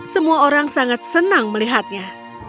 semua orang sangat senang melihatnya